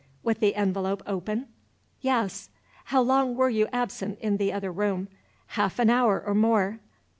"With the envelope open?" "Yes." "How long were you absent in the other room?" "Half an hour or more."